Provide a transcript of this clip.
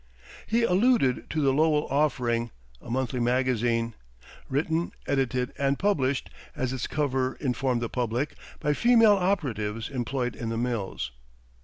He alluded to the "Lowell Offering," a monthly magazine, "written, edited, and published," as its cover informed the public, "by female operatives employed in the mills."